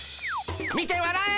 見てわらえ！